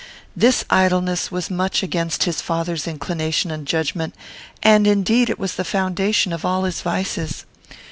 This idleness was much against his father's inclination and judgment; and, indeed, it was the foundation of all his vices.